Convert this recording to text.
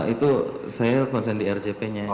itu saya konsen di rjp nya